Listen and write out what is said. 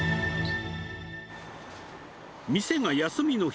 店が休みの日、